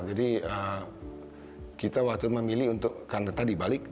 jadi kita waktu itu memilih untuk karena tadi balik